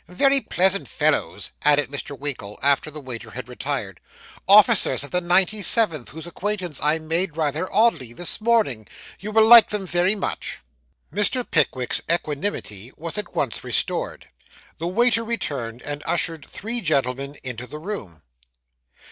Very pleasant fellows,' added Mr. Winkle, after the waiter had retired 'officers of the 97th, whose acquaintance I made rather oddly this morning. You will like them very much.' Mr. Pickwick's equanimity was at once restored. The waiter returned, and ushered three gentlemen into the room.